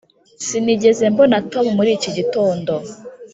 sinigeze mbona tom muri iki gitondo.